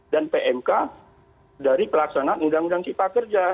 dan pmk dari pelaksanaan undang undang kita kerja